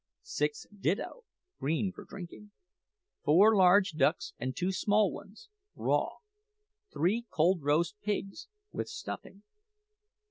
6 Ditto, green (for drinking). 4 Large ducks and two small ones, raw. 3 Cold roast pigs, with stuffing.